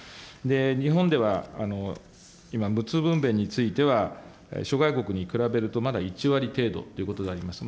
日本では今、無痛分娩については、諸外国に比べるとまだ１割程度ということであります。